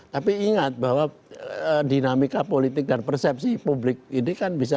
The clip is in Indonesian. tapi ingat bahwa dinamika politik dan persepsi publik ini kan bisa